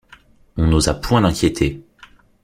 On n’osa point l’inquiéter.